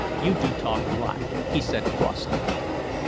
"You do talk rot," he said crossly.